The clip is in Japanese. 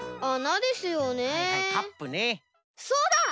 そうだ！